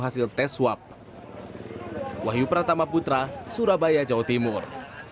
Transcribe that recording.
hasil tes swab wahyu pratama putra surabaya jawa timur